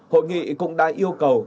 hội nghị cũng đã yêu cầu